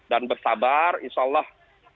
dan bersabar insya allah